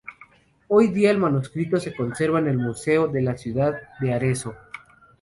Hoy día el manuscrito se conserva en el museo de la ciudad de Arezzo.